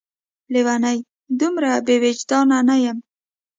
لېونۍ! دومره بې وجدان نه یمه